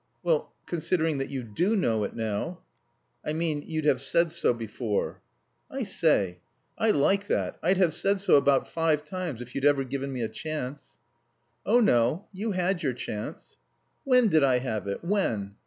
"Well, considering that you do know it now " "I mean, you'd have said so before." "I say! I like that. I'd have said so about five times if you'd ever given me a chance." "Oh, no. You had your chance." "When did I have it? When?"